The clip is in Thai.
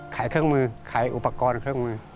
ขายเครื่องมือขายอุปกรณ์เครื่องมือ